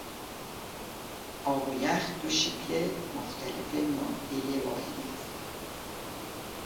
آب و یخ دو شکل مختلف مادهی واحدی هستند.